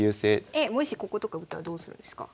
えっもしこことか打ったらどうするんですか？